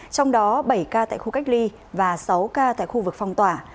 trong đó bảy ca tại khu cách ly và sáu ca tại khu vực phong tỏa